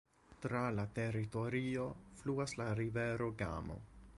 Tra la teritorio fluas la rivero Gamo.